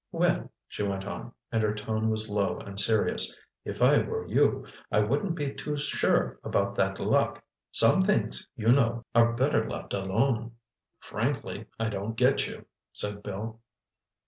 "Well," she went on, and her tone was low and serious, "if I were you, I wouldn't be too sure about that luck. Some things, you know, are better left alone." "Frankly, I don't get you," said Bill.